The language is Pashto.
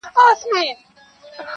-پر وزرونو مي شغلې د پانوس پور پاته دي-